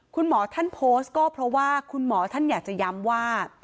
คุณหมอท่านโพสต์ก็เพราะว่าคุณหมอท่านอยากจะย้ำว่า